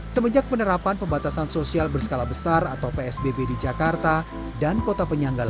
semenjak penerapan pembatasan sosial berskala besar atau psbb di jakarta dan kota penyangga